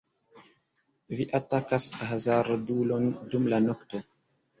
Vi atakas hazardulon dum la nokto.